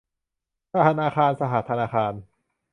ธนาคารสหธนาคาร